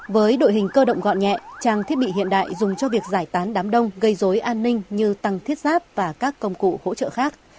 với đội hình cơ động gọn nhẹ trang thiết bị hiện đại dùng cho việc giải tán đám đông gây dối an ninh như tăng thiết giáp và các công cụ hỗ trợ khác